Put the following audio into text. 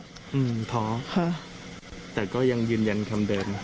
ไม่มีความห่อนท้องค่ะแต่ก็ยังยืนยันคำเดิน